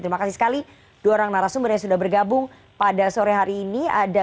terima kasih sekali dua orang narasumber yang sudah bergabung pada sore hari ini